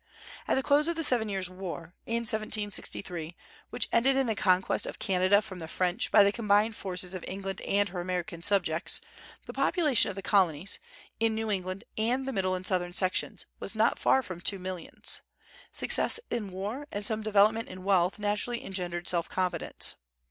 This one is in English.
At the close of the Seven Years' War, in 1763, which ended in the conquest of Canada from the French by the combined forces of England and her American subjects, the population of the Colonies in New England and the Middle and Southern sections was not far from two millions. Success in war and some development in wealth naturally engendered self confidence.